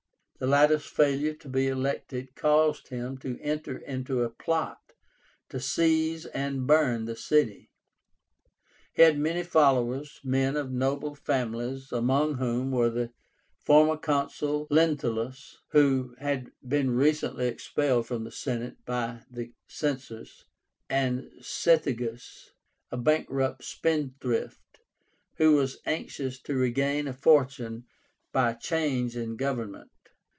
The latter's failure to be elected caused him to enter into a plot to seize and burn the city. He had many followers, men of noble families, among whom were the former Consul Lentulus, who had been recently expelled from the Senate by the Censors, and Cethégus, a bankrupt spendthrift, who was anxious to regain a fortune by a change in government.